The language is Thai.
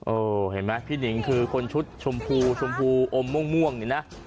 เห็นไหมพี่หนิงคือคนชุดชมพูชมพูอมม่วงนี่นะ